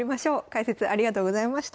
解説ありがとうございました。